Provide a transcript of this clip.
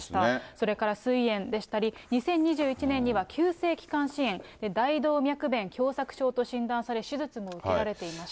それからすい炎でしたり、２０２１年には急性気管支炎、大動脈弁狭窄症と診断され、手術も受けられていました。